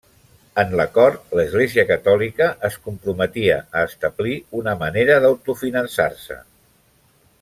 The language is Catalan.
En l'acord l'Església Catòlica es comprometia a establir una manera d'autofinançar-se.